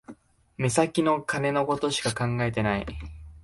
目先の金のことしか考えてない